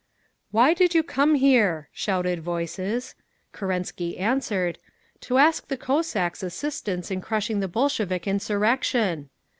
"Why did you come here?" shouted voices. Kerensky answered, "To ask the Cossacks' assistance in crushing the Bolshevik insurrection!"